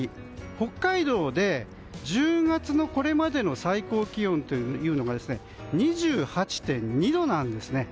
北海道で１０月のこれまでの最高気温というのが２８．２度なんですね。